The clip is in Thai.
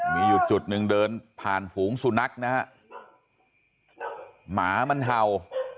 มีอยู่จุดหนึ่งเดินผ่านฝูงสุนัขนะฮะหมามันเห่า